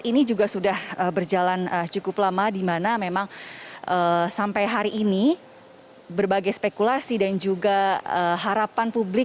ini juga sudah berjalan cukup lama di mana memang sampai hari ini berbagai spekulasi dan juga harapan publik